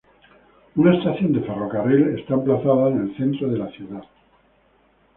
Una estación de ferrocarril está emplazada en el centro de la ciudad.